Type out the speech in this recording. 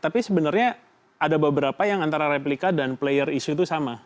tapi sebenarnya ada beberapa yang antara replika dan player isu itu sama